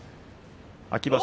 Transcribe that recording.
秋場所